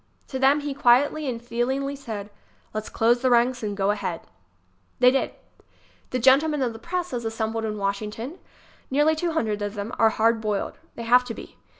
To them he quietly and feelingly said: "Let's close the ranks and go ahead." They did. The gentlemen of the press as assembled in Wash ington ŌĆö nearly two hundred of them ŌĆö are hard boiled. They have to be.